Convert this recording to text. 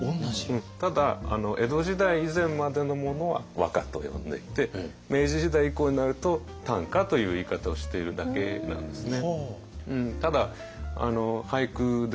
ただ江戸時代以前までのものは和歌と呼んでいて明治時代以降になると短歌という言い方をしているだけなんですね。